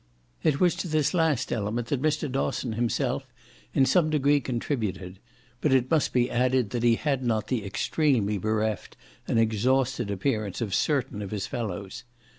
It was to this last element that Mr. Dosson himself in some degree contributed, but it must be added that he had not the extremely bereft and exhausted appearance of certain of his fellows.